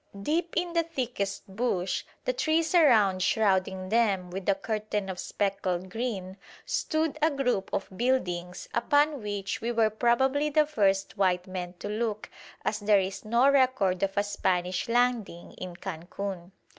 Deep in the thickest bush, the trees around shrouding them with a curtain of speckled green, stood a group of buildings upon which we were probably the first white men to look, as there is no record of a Spanish landing in Cancun.